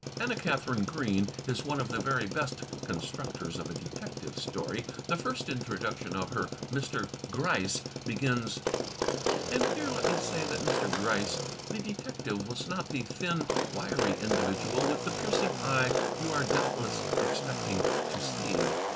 Anna Katharine Green is one of the very best constructors of a detective story. The first introduction of her Mr. Gryce begins: And here let me say that Mr. Gryce, the detective, was not the thin, wiry individual with the piercing eye you are doubtless expect ing to see.